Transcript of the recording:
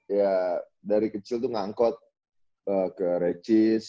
iya dari kecil tuh ngangkot ke regis